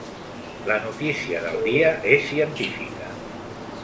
La notícia del dia és científica.